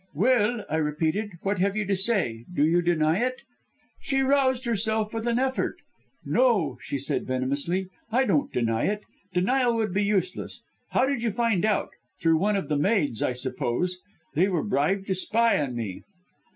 "'Well,' I repeated, 'what have you to say? Do you deny it?' "She roused herself with an effort. 'No,' she said venomously, 'I don't deny it. Denial would be useless. How did you find out? Through one of the maids, I suppose. They were bribed to spy on me!'